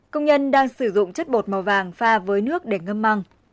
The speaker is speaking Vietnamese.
công nhân đang sử dụng chất bột màu vàng pha với nước để ngâm măng